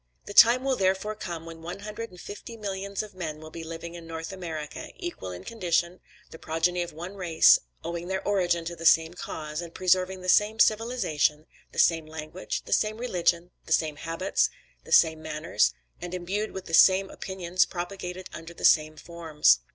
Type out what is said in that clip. "The time will therefore come when one hundred and fifty millions of men will be living in North America, equal in condition, the progeny of one race, owing their origin to the same cause, and preserving the same civilization, the same language, the same religion, the same habits, the same manners, and imbued with the same opinions, propagated under the same forms.